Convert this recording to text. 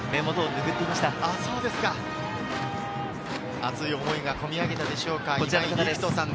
熱い思いが込み上げたでしょうか。